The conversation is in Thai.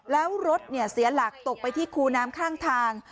แล้วรถเสียหลักตกไปที่คูน้ำข้างทาง